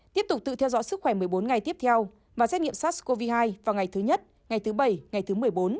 tiếp tục tự theo dõi sức khỏe một mươi bốn ngày tiếp theo và xét nghiệm sars cov hai vào ngày thứ nhất ngày thứ bảy ngày thứ một mươi bốn